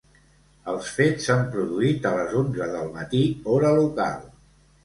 Els fets s’han produït a les onze del matí, hora local.